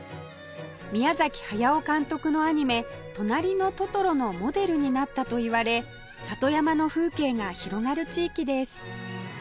宮崎駿監督のアニメ『となりのトトロ』のモデルになったといわれ里山の風景が広がる地域です